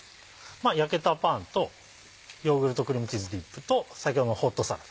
焼けたパンとヨーグルトクリームチーズディップと先ほどのホットサラダ。